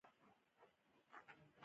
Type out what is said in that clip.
د پروستات لپاره د رومي بانجان اوبه وڅښئ